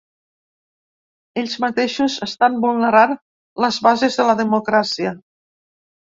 Ells mateixos estan vulnerant les bases de la democràcia.